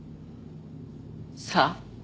さあ。